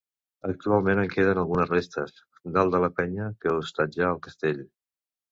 Actualment en queden algunes restes, dalt de la penya que hostatjà el castell.